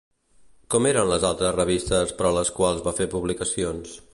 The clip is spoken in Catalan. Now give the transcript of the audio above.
Com eren les altres revistes per a les quals va fer publicacions?